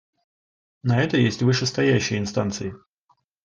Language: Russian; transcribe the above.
На это есть вышестоящие инстанции.